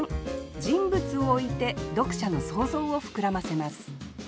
人物を置いて読者の想像を膨らませます